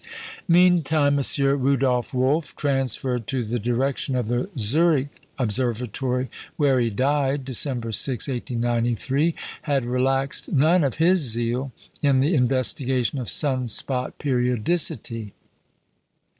Meantime M. Rudolf Wolf, transferred to the direction of the Zürich Observatory, where he died, December 6, 1893, had relaxed none of his zeal in the investigation of sun spot periodicity.